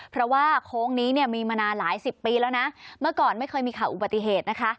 เพราะว่าโค้งนี้เนี่ยมีมานานหลายสิบปีแล้วนะเมื่อก่อนไม่เคยมีข่าวอุบัติเหตุนะคะ